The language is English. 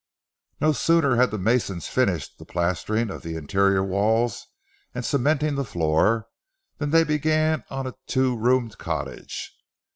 No sooner had the masons finished the plastering of the inner walls and cementing the floor, than they began on a two roomed cottage.